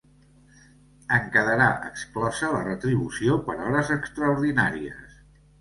En quedarà exclosa la retribució per hores extraordinàries.